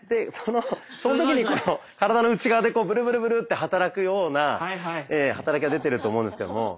その時にこの体の内側でブルブルブルって働くような働きが出てると思うんですけれども。